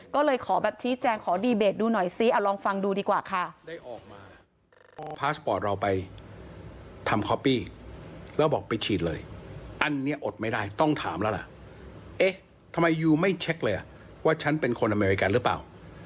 ก็เลยขอแบบชี้แจงขอดีเบตดูหน่อยซิลองฟังดูดีกว่าค่ะ